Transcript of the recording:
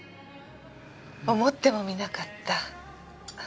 思ってもみなかった。